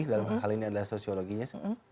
dalam hal ini adalah sosiologinya